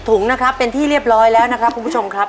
ถุงนะครับเป็นที่เรียบร้อยแล้วนะครับคุณผู้ชมครับ